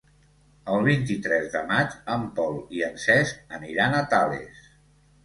El vint-i-tres de maig en Pol i en Cesc aniran a Tales.